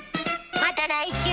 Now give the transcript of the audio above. また来週！